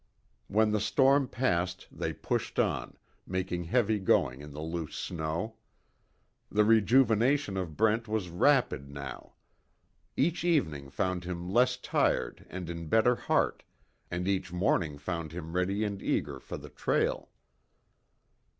When the storm passed they pushed on, making heavy going in the loose snow. The rejuvenation of Brent was rapid now. Each evening found him less tired and in better heart, and each morning found him ready and eager for the trail.